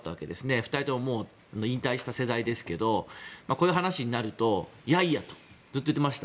２人とも引退した世代ですけどこういう話になるといやいやとずっと言っていました。